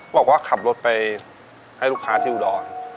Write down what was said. บอกว่าขับรถไปให้ลูกค้าที่อุดร